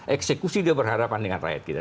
eksekusi dia berhadapan dengan rakyat kita